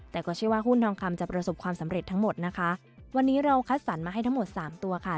แต่ก็เชื่อว่าหุ้นทองคำจะประสบความสำเร็จทั้งหมดนะคะวันนี้เราคัดสรรมาให้ทั้งหมดสามตัวค่ะ